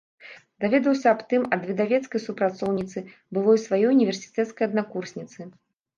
Даведаўся аб тым ад выдавецкай супрацоўніцы, былой сваёй універсітэцкай аднакурсніцы.